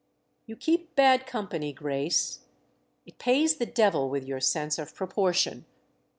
"You keep bad company, Grace—it pays the devil with your sense of proportion.